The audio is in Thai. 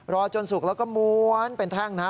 รอจนสุกแล้วก็ม้วนเป็นแท่งนะฮะ